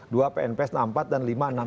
dua pnps enam puluh empat dan lima enam